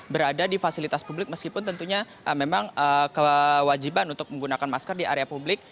berada di fasilitas publik meskipun tentunya memang kewajiban untuk menggunakan masker di area publik